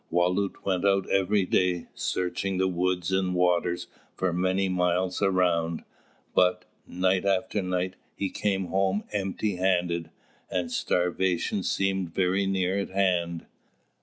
Wālūt went out every day, searching the woods and waters for many miles around; but, night after night, he came home empty handed, and starvation seemed very near at hand.